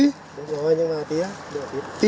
đúng rồi nhưng mà tí á